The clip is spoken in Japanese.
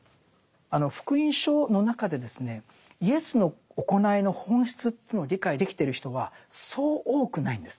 あの「福音書」の中でですねイエスの行いの本質というのを理解できてる人はそう多くないんです。